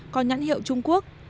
có nhãn hiệu trung quốc